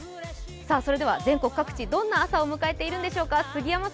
それでは全国各地、どんな朝を迎えているんでしょうか。